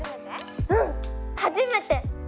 うん初めて！